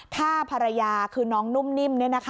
ฆ่าภรรยาคือน้องนุ่มนิ่ม